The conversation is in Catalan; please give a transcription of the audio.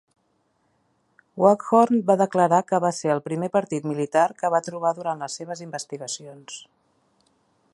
Waghorn va declarar que va ser el primer partit militar que va trobar durant les seves investigacions.